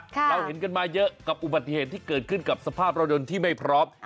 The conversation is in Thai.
เราเห็นกันมาเยอะกับอุบัติเหตุที่เกิดขึ้นกับสภาพรถยนต์ที่ไม่พร้อม